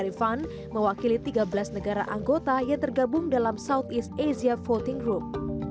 dari fund mewakili tiga belas negara anggota yang tergabung dalam southeast asia voting group